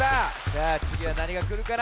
さあつぎはなにがくるかな？